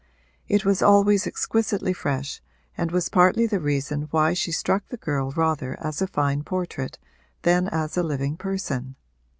It was always exquisitely fresh and was partly the reason why she struck the girl rather as a fine portrait than as a living person.